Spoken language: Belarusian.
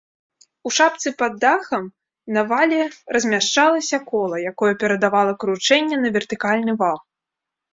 У шапцы пад дахам на вале размяшчалася кола, якое перадавала кручэнне на вертыкальны вал.